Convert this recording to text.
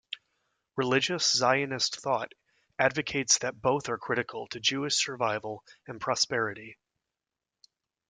Religious Zionist thought advocates that both are critical to Jewish survival and prosperity.